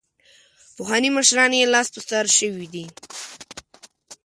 پخواني مشران یې لاس په سر شوي دي.